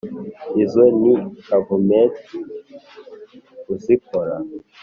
Izo ni Kavumenti uzikora